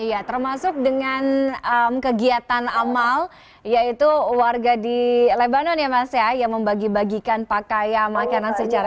iya termasuk dengan kegiatan amal yaitu warga di lebanon ya mas ya yang membagi bagikan pakaian makanan secara